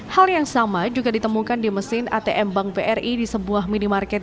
hal yang sama juga ditemukan di mesin atm bank bri di sebuah minimarket